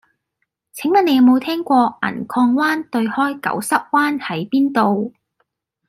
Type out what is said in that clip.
請問你有無聽過銀礦灣對開狗虱灣喺邊度